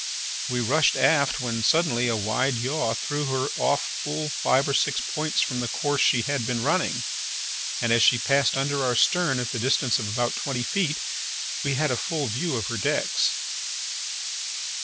We rushed aft, when, suddenly, a wide yaw threw her off full five or six points from the course she had been running, and, as she passed under our stern at the distance of about twenty feet, we had a full view of her decks.